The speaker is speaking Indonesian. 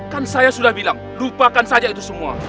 kan saya sudah bilang lupakan saja itu semua